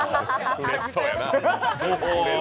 うれしそうやな。